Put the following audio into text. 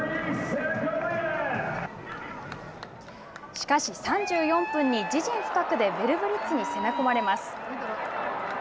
しかし、３４分に自陣深くでヴェルブリッツに攻め込まれます。